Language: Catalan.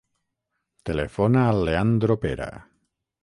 Telefona al Leandro Pera.